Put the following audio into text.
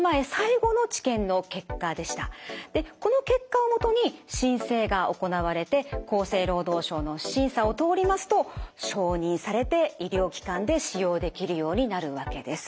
でこの結果をもとに申請が行われて厚生労働省の審査を通りますと承認されて医療機関で使用できるようになるわけです。